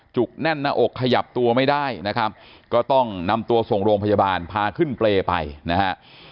แน่นหน้าอกขยับตัวไม่ได้นะครับก็ต้องนำตัวส่งโรงพยาบาลพาขึ้นเปรย์ไปนะฮะ